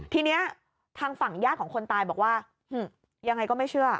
ทีนี้ทางฝั่งญาติของคนตายบอกว่ายังไงก็ไม่เชื่อ